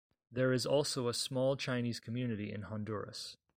There is also a small Chinese community in Honduras.